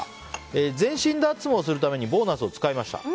全身脱毛をするためにボーナスを使いました。